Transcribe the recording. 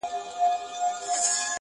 پر اوښتي تر نیوي وه زیات کلونه٫